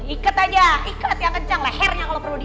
ikat aja ikat ya kencang lehernya kalo perlu diikat